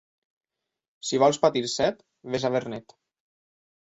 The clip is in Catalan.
Si vols patir set, ves a Vernet.